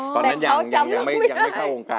ตอนนั้นยังไม่เข้าวงการ